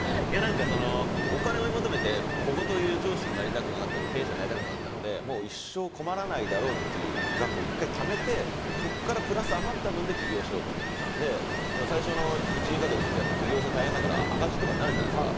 お金を追い求めて小言を言う上司や経営者になりたくなかったので一生困らないだろうっていう額を１回ためてそこからプラス余った分で起業しようと思って最初の１２か月とかって赤字とかになるじゃないですか。